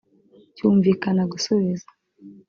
cyumvikana gusubiza